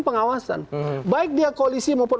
pengawasan baik dia koalisi maupun